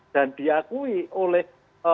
dan diakui oleh